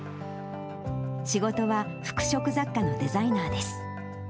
仕事は服飾雑貨のデザイナーです。